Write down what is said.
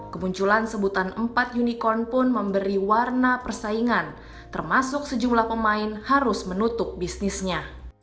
kemunculan sebutan empat unicorn pun memberi warna persaingan termasuk sejumlah pemain harus menutup bisnisnya